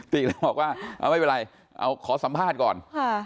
ติเลยบอกว่าเอาไม่เป็นไรเอาขอสัมภาษณ์ก่อน